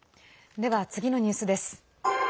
では次のニュースです。